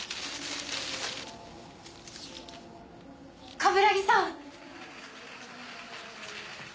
冠城さん！